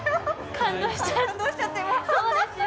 感動しちゃって。